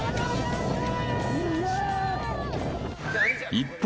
［一方］